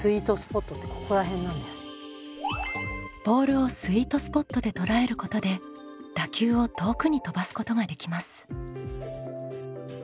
ボールをスイートスポットで捉えることで打球を遠くに飛ばすことができます。